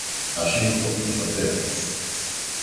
Ás cinco, o sorteo.